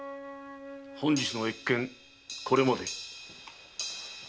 本日の謁見これまで。